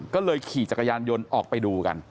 ก็เลยขี่จักรยานยนต์ออกไปดูกัน